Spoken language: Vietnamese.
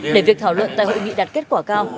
để việc thảo luận tại hội nghị đạt kết quả cao